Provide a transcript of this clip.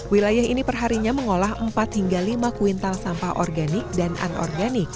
wilayah ini perharinya mengolah empat hingga lima kuintal sampah organik dan anorganik